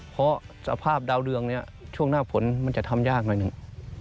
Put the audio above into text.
เพราะสภาพดาวเรืองเนี่ยช่วงหน้าฝนมันจะทำยากหน่อยหนึ่ง